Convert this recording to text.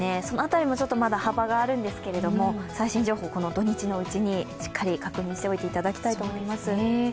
その辺りもまだ幅があるんですけど最新情報、この土日のうちにしっかり確認しておいていただきたいと思います。